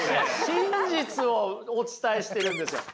真実をお伝えしてるんですよ！